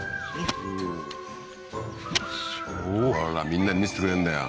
みんなに見してくれんだよ